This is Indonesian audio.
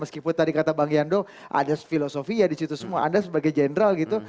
seperti yang tadi bang yando ada filosofi ya di situ semua anda sebagai general gitu